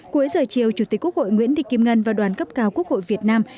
cuối giờ chiều chủ tịch quốc hội nguyễn thị kim ngân và đoàn cấp cao quốc hội việt nam